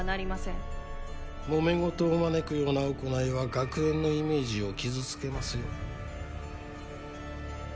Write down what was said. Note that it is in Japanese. もめ事を招くような行いは学園のイメージを傷つけますよ。